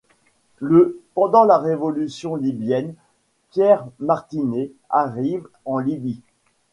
Le pendant la Révolution libyenne, Pierre Martinet arrive en Libye.